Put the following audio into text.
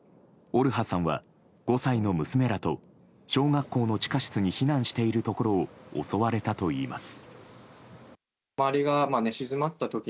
オルハさんは５歳の娘らと小学校の地下室に避難しているところを襲われたといいます。